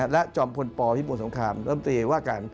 และจอมพลปพิมพุสมคามรมนตรีว่ากัน